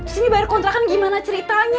sini bayar kontrakan gimana ceritanya